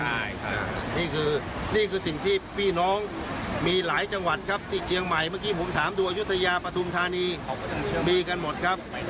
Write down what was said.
ใช่นี่คือนี่คือสิ่งที่พี่น้องมีหลายจังหวัดครับที่เชียงใหม่เมื่อกี้ผมถามดูอายุทยาปฐุมธานีมีกันหมดครับ